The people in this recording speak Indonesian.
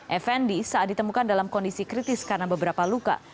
effendi saat ditemukan dalam kondisi kritis karena beberapa luka